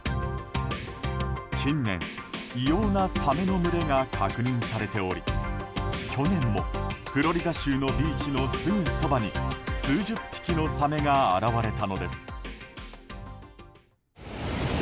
近年、異様なサメの群れが確認されており去年もフロリダ州のビーチのすぐそばに数十匹のサメが現れたのです。